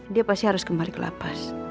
dia pasti harus kembali ke lapas